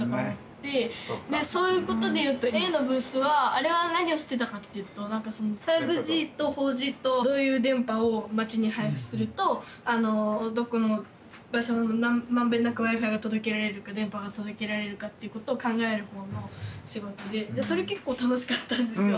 そういうことで言うとａｕのブースはあれは何をしてたかって言うと５Ｇと４Ｇとどういう電波を街に配布するとどこの場所も満遍なくＷｉ−Ｆｉが届けられるか電波が届けられるかってことを考えるほうの仕事でそれ結構楽しかったんですよ。